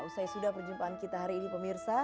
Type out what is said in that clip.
usai sudah perjumpaan kita hari ini pemirsa